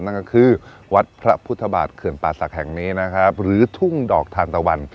นั่นก็คือวัดพระพุทธบาทเขื่อนป่าศักดิ์แห่งนี้นะครับหรือทุ่งดอกทานตะวัน